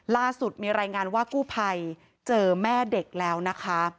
ล่าสุดมีรายงานว่ากู้ภัยเจอแม่เด็กแล้วนะคะ